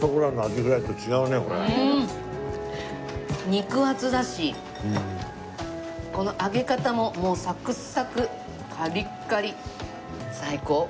肉厚だしこの揚げ方ももうサクサクカリカリ！最高！